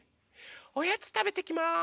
おやつたべてきます！